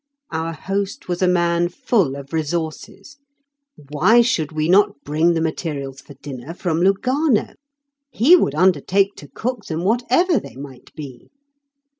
Our host was a man full of resources. Why should we not bring the materials for dinner from Lugano? He would undertake to cook them, whatever they might be.